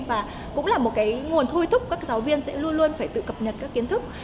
và cũng là một cái nguồn thôi thúc các giáo viên sẽ luôn luôn phải tự cập nhật các kiến thức